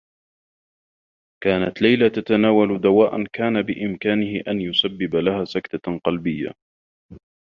كانت ليلى تتناول دواءا كان بإمكانه أن يسبّب لها سكتة قلبيّة.